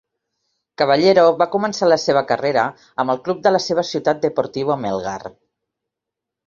Caballero va començar la seva carrera amb el club de la seva ciutat Deportivo Melgar.